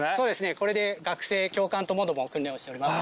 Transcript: これで学生教官ともども訓練をしております。